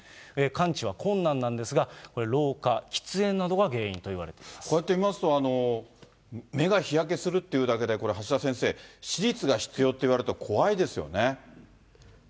完治は困難なんですが、これ、老化、喫煙などが原因といわれていこうやって見ますと、目が日焼けするっていうだけでこれ、橋田先生、手術が必要って言われると怖いですよね。